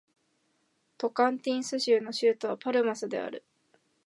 トカンティンス州の州都はパルマスである